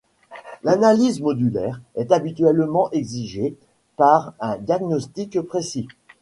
L’analyse moléculaire est habituellement exigée pour un diagnostic précis.